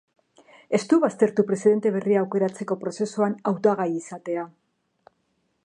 Ez du baztertu presidente berria aukeratzeko prozesuan hautagai izatea.